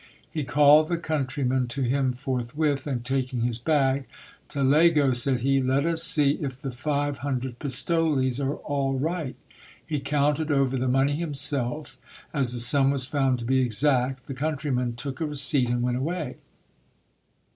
He called the country ma a to him forthwith, and taking his bag, Talego, said he, let us see if the five 84 GIL BLAS. hundred pistoles are all right. He counted over the money himself. As the sum was found to be exact, the countryman took a receipt and went away.